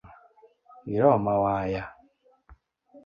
Iroma waya